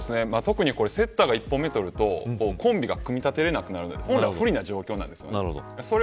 特にセッターが１本目を取るとコンビが組み立てられなくなって不利な状況なんですよ。